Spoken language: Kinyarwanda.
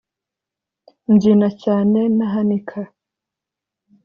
mbyina cyane nahanika